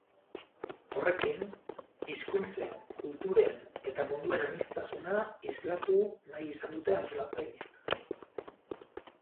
Horrekin, hizkuntzen, kulturen eta munduen aniztasuna islatu nahi izan dute antolatzaileek.